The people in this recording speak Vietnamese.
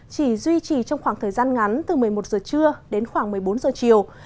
chỉ duy trì trong khoảng thời gian ngắn từ một mươi một giờ trưa đến khoảng một mươi bốn giờ chiều